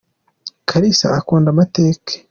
Kalisa akunda amateke.